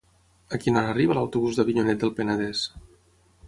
A quina hora arriba l'autobús d'Avinyonet del Penedès?